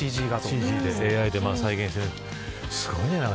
すごいね。